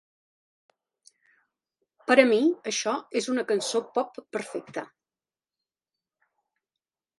Per a mi, això és una cançó pop perfecta.